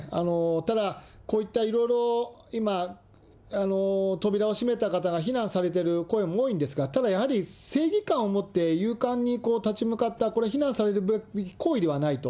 ただ、こういったいろいろ、今、扉を閉めた方が非難されてる声も多いんですが、ただやはり、正義感をもって勇敢に立ち向かった、これ非難されるべき行為ではないと。